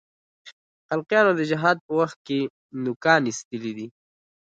خلقیانو د جهاد په وخت کې نوکان اېستلي دي.